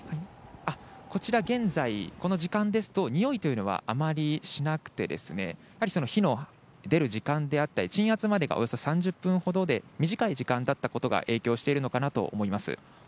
こちら、現在、この時間ですと、臭いというのはあまりしなくてですね、やはり火の出る時間であったり、鎮圧までがおよそ３０分ほどで、短い時間だったことが影響しているのかなと思います。